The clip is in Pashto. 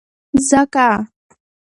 ځکه